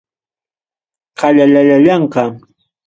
Qallallallallanqa.